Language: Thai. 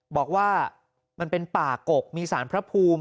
บอกว่ามันเป็นป่ากกมีสารพระภูมิ